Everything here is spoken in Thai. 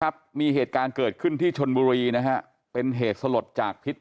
ครับมีเหตุการณ์เกิดขึ้นที่ชนบุรีนะฮะเป็นเหตุสลดจากพิษ